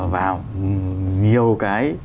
vào nhiều cái